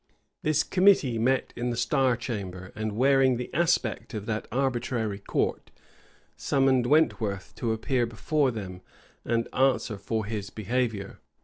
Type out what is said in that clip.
This committee met in the star chamber, and, wearing the aspect of that arbitrary court, summoned Wentworth to appear before them, and answer for his behavior.